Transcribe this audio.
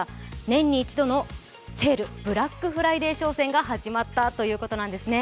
年に１度のセール、ブラックフライデー商戦が始まったということなんですね。